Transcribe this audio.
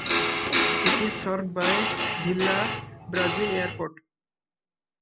It is served by Vila Brazil Airport.